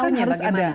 itu harus ada